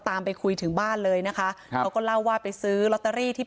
ไปคุยถึงบ้านเลยนะคะครับเขาก็เล่าว่าไปซื้อลอตเตอรี่ที่